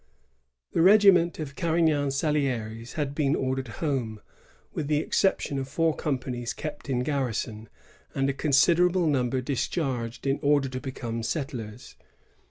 ^ The regiment of Carignan SaliSres had been ordered home, with the exception of four companies kept in garrison,^ and a considerable number discharged in order to become settlers.